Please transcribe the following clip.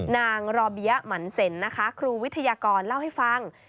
รอเบี้ยหมั่นเซ็นนะคะครูวิทยากรเล่าให้ฟัง